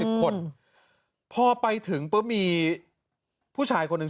อธิบายสิบคนพอไปถึงปื้มมีผู้ชายคนหนึ่ง